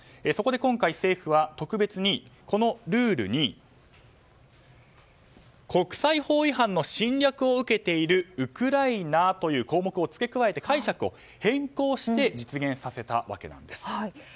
そこで今回、政府は特別に、このルールに国際法違反の侵略を受けているウクライナという項目を付け加え、解釈を変更して実現させたわけなんです。